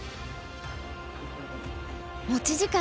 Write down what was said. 持ち時間